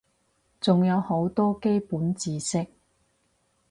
仲有好多基本知識